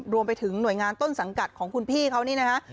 รวมไปถึงหน่วยงานต้นสังกัดของคุณพี่เขานี่นะฮะ